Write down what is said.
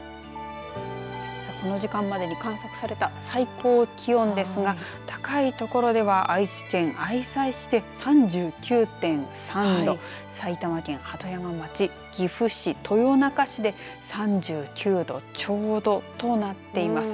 この時間までに観測された最高気温ですが高いところでは愛知県愛西市で３９．３度埼玉県鳩山町、岐阜市、豊中市で３９度ちょうどとなっています。